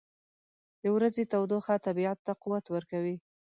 • د ورځې تودوخه طبیعت ته قوت ورکوي.